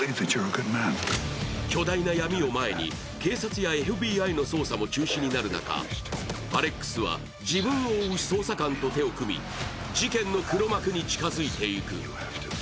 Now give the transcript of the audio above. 巨大な闇を前に警察やＦＢＩの捜査も中止になる中、アレックスは自分を追う捜査官と手を組み、事件の黒幕に近づいていく。